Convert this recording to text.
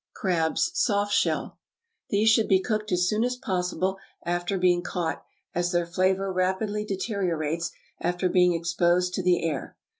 =Crabs, Soft shell.= These should be cooked as soon as possible after being caught, as their flavor rapidly deteriorates after being exposed to the air.